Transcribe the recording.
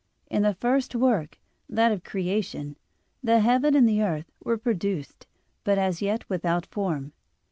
In the first work, that of "creation," the heaven and the earth were produced, but as yet without form.